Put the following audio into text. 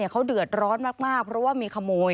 เขาเดือดร้อนมากเพราะว่ามีขโมย